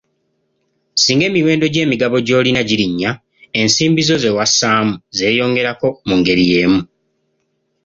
Singa emiwendo gy'emigabo gy'olina girinnya, ensimbi zo ze wassaamu zeeyongerako mu ngeri y'emu.